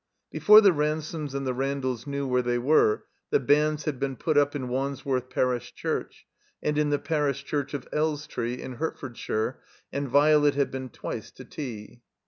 Before the Ransomes and the Randalls knew where they were the banns had been put up in Wandsworth Parish Church and in the Parish Church of Elstree, in Hertfordshire, and Violet had been twice to tea.